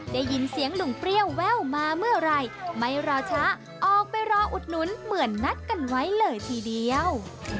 ได้ยินเสียงหนุ่มเปรี้ยวแววมาเมื่อไหร่ไม่รอช้าออกไปรออุดหนุนเหมือนนัดกันไว้เลยทีเดียว